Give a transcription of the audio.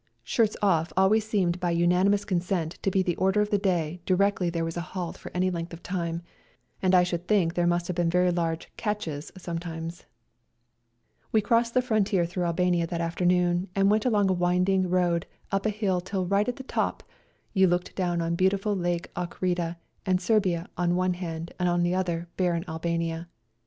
" Shirts off " always seemed by unanimous consent to be the order of the day directly there was a halt for any length of time, and I should think there must have been very large catches " sometimes. 12 120 GOOD BYE TO SERBIA We crossed the frontier through Albania that afternoon, and went along a winding road up a hill till right at the top you looked down on beautiful Lake Ockrida and Serbia on one hand and on the other barren Albania.